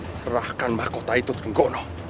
serahkan mahkota itu tenggono